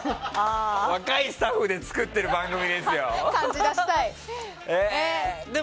若いスタッフで作ってる番組ですよ！